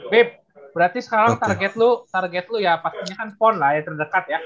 babe berarti sekarang target lu target lu ya pastinya kan pon lah yang terdekat ya